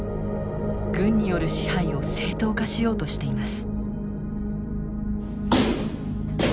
軍による支配を正当化しようとしています。